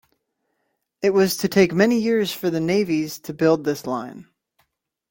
It was to take many years for the navvies to build this line.